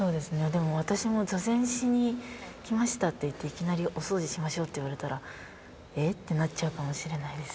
でも私も「座禅しに来ました」って言っていきなり「おそうじしましょう」って言われたら「え？」ってなっちゃうかもしれないです。